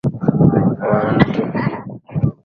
ilianza kazi tarehe kumi na nne juni